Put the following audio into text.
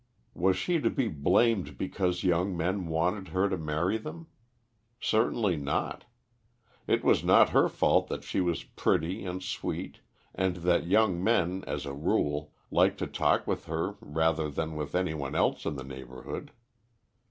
Was she to be blamed because young men wanted her to marry them? Certainly not. It was not her fault that she was pretty and sweet, and that young men, as a rule, liked to talk with her rather than with any one else in the neighbourhood.